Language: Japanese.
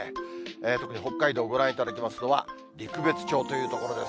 特に北海道、ご覧いただきますのは、陸別町という所です。